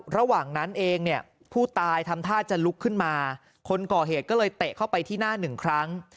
ระหว่างนั้นเองเนี่ยผู้ตายทำท่าจะลุกขึ้นมาคนก่อเหตุก็เลยเตะเข้าไปที่หน้าหนึ่งครั้ง